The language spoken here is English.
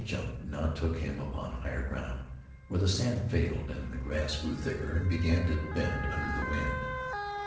Every jump now took him upon higher ground, where the sand failed, and the grass grew thicker and began to bend under the wind.